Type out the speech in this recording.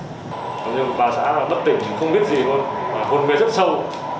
nhưng bà xã mất tỉnh không biết gì luôn hôn mê rất sâu